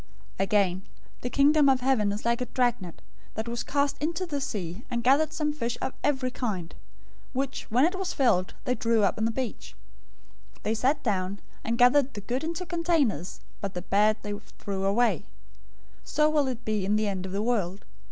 013:047 "Again, the Kingdom of Heaven is like a dragnet, that was cast into the sea, and gathered some fish of every kind, 013:048 which, when it was filled, they drew up on the beach. They sat down, and gathered the good into containers, but the bad they threw away. 013:049 So will it be in the end of the world.